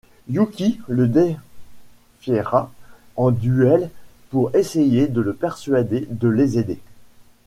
Yuki le défiera en duel pour essayer de le persuader de les aider.